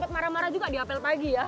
marah marah juga di apel pagi ya